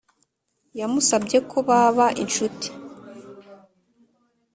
yamusabye ko baba inshuti